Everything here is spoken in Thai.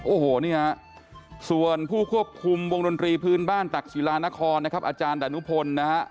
โอ้โหนี่ครับส่วนผู้ควบคุมวงดนตรีพื้นบ้านตักศิลานครอาจารย์ดานุพลนะครับ